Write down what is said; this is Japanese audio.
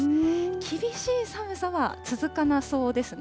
厳しい寒さは続かなそうですね。